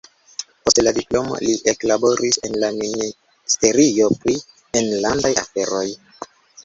Post la diplomo li eklaboris en la ministerio pri enlandaj aferoj.